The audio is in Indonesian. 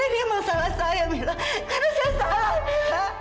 ini memang salah saya mila karena saya salah